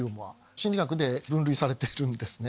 心理学で分類されているんですね。